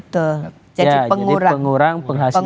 ya jadi pengurang penghasilan karena pajak